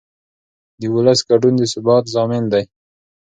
د ولس ګډون د ثبات ضامن دی